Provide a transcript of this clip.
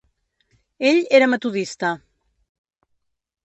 Ell era metodista.